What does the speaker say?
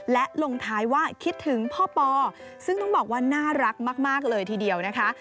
และลงท้ายว่าคิดถึงพ่อปอซึ่งต้องบอกว่าน่ารักมากเลยทีเดียวนะคะ